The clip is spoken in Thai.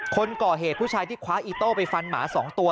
คนก่อเหตุผู้ชายที่คว้าอีโต้ไปฟันหมา๒ตัว